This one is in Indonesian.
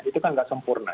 itu kan tidak sempurna